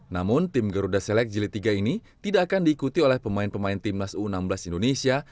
namun tim geruda select jelitiga ini tidak akan diikuti oleh pemain pemain timnas u enam belas indonesia